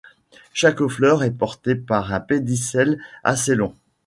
Chaque fleur est portée par un pédicelle assez long.